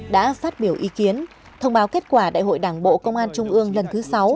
đã phát biểu ý kiến thông báo kết quả đại hội đảng bộ công an trung ương lần thứ sáu